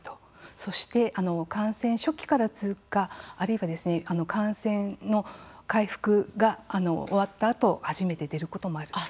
そして感染初期から続くかあるいは感染の回復が終わったあと初めて出ることもある。